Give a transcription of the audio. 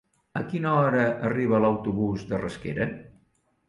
A quina hora arriba l'autobús de Rasquera?